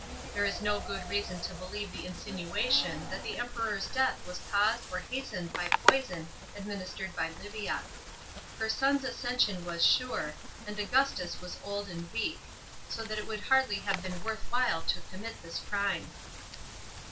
There is no good reason to believe the insinuation that the Emperor's death was caused or hastened by poison administered by Livia. Her son's accession was sure, and Augustus was old and weak; so that it would hardly have leen worth while to commit the crime.